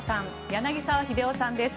柳澤秀夫さんです。